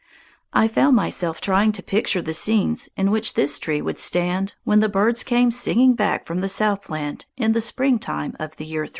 I found myself trying to picture the scenes in which this tree would stand when the birds came singing back from the Southland in the springtime of the year 3000.